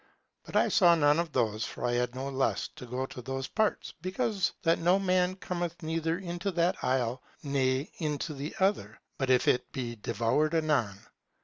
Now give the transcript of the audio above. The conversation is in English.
But I saw none of those, for I had no lust to go to those parts, because that no man cometh neither into that isle ne into the other, but if he be devoured anon.